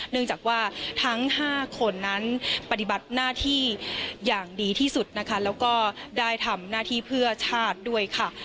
เนื่องจากว่าทั้ง๕คนนั้นปฏิบัติหน้าที่อย่างดีที่สุดนะคะแล้วก็ได้ทำหน้าที่เพื่อชาติด้วยค่ะ